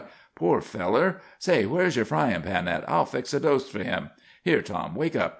Poor feller! Say, where's your fryin' pan at? I'll fix a dose for him. Here, Tom, wake up.